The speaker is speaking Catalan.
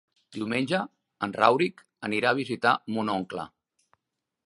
Diumenge en Rauric anirà a visitar mon oncle.